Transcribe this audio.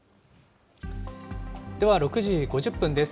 では６時５０分です。